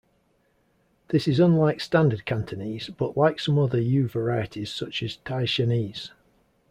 This is unlike Standard Cantonese but like some other Yue varieties such as Taishanese.